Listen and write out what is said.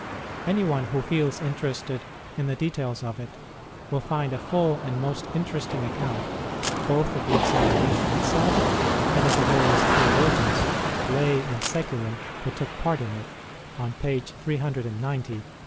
Anyone who feels interested in the details of it will find a full and most interesting account, both of the examination itself and of the various theologians, lay and secular, who took part in it, on page 390 of M.